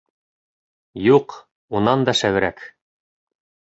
Юҡ, унан да шәберәк.